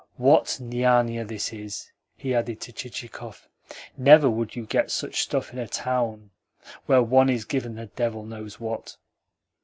"What niania this is!" he added to Chichikov. "Never would you get such stuff in a town, where one is given the devil knows what."